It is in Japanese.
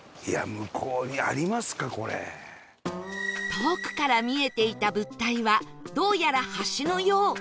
遠くから見えていた物体はどうやら橋のよう